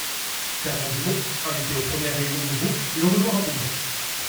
Fernand Dumont, invité aux premières réunions du groupe, le rejoint rapidement.